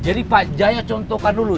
jadi pak jaya contohkan dulu